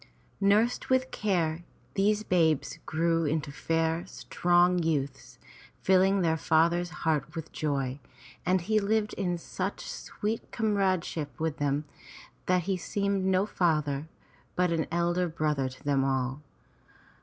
Nursed with care, these babes grew into fair, strong youths, filling their father's heart with joy, and he lived in such sweet comradeship with them that he seemed no father but an elder brother to them all.